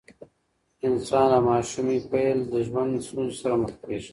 انسان له ماشومۍ پیل د ژوند ستونزو سره مخ کیږي.